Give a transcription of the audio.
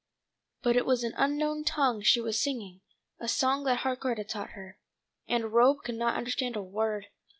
But it was an unknown tongue she was singing, a song that Harcourt had taught her, and Rob could not understand a word.